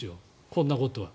こんなことは。